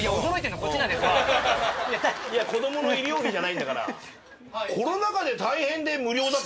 子供の医療費じゃないんだから。